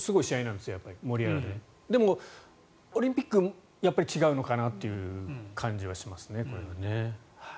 だけど、オリンピックはやっぱり違うのかなという感じはしますよね。